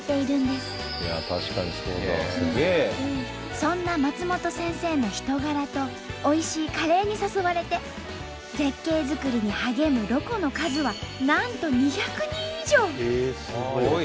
そんな松本先生の人柄とおいしいカレーに誘われて絶景づくりに励むロコの数はなんとへえすごい！